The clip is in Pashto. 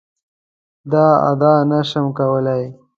دا ادعا نه شم کولای.